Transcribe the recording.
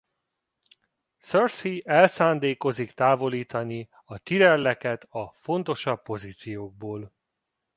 Cersei el szándékozik távolítani a Tyrelleket a fontosabb pozíciókból.